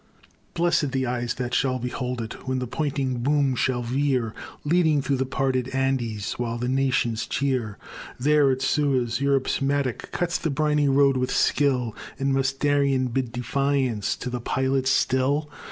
Blessed the eyes that shall behold it, When the pointing boom shall veer, Leading through the parted Andes, While the nations cheer! There at Suez, Europe's mattock Cuts the briny road with skill, And must Darien bid defiance To the pilot still?